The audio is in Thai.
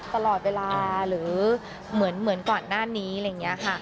ตลอดเวลาหรือเหมือนก่อนหน้านี้อะไรอย่างนี้ค่ะ